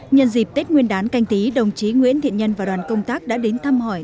nhân dịp tết nguyên đán canh tí đồng chí nguyễn thiện nhân và đoàn công tác đã đến thăm hỏi